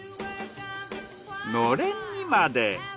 のれんにまで。